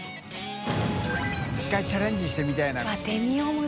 渦チャレンジしてみたいな。